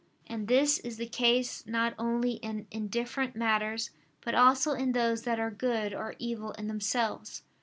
And this is the case not only in indifferent matters, but also in those that are good or evil in themselves.